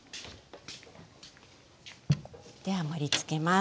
では盛りつけます。